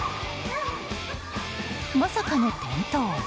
まさかの転倒。